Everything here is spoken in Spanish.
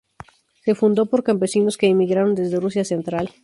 Se fundó por campesinos que emigraron desde Rusia central.